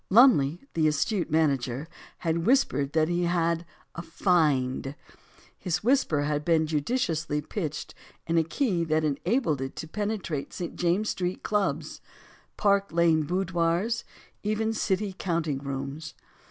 Lumley the astute manager, had whispered that he had a "find." His whisper had been judiciously pitched in a key that enabled it to penetrate St. James Street clubs, Park Lane boudoirs, even City counting rooms.